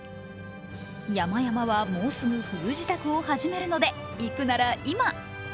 山々はもうすごく冬支度を始めるので、行くなら今。